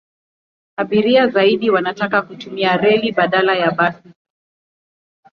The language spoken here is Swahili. Abiria zaidi wanataka kutumia reli badala ya basi.